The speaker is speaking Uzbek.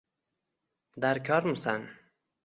Darkormisan